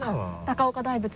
高岡大仏。